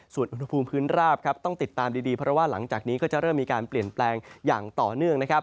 ส่วนอุณหภูมิพื้นราบต้องติดตามดีเพราะว่าหลังจากนี้ก็จะเริ่มมีการเปลี่ยนแปลงอย่างต่อเนื่องนะครับ